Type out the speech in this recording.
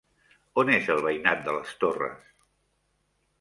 On és el veïnat de les Torres?